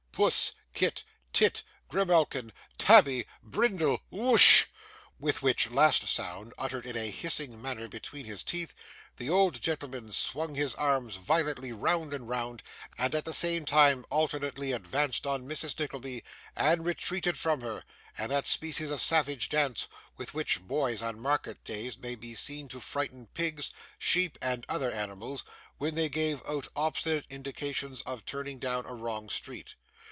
'Puss, Kit, Tit, Grimalkin, Tabby, Brindle! Whoosh!' with which last sound, uttered in a hissing manner between his teeth, the old gentleman swung his arms violently round and round, and at the same time alternately advanced on Mrs. Nickleby, and retreated from her, in that species of savage dance with which boys on market days may be seen to frighten pigs, sheep, and other animals, when they give out obstinate indications of turning down a wrong street.